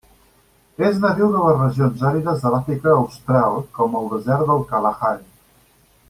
És nadiu de les regions àrides de l'Àfrica Austral, com el desert del Kalahari.